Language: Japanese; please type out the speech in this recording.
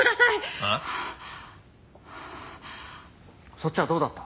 そっちはどうだった？